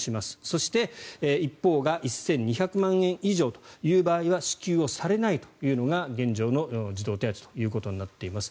そして、一方が１２００万円以上という場合は支給をされないというのが現状の児童手当ということになっています。